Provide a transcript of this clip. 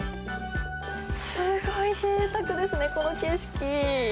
すごいぜいたくですね、この景色。